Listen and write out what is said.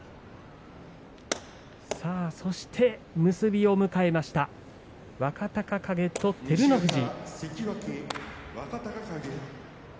そして結びを迎えました若隆景と照ノ富士。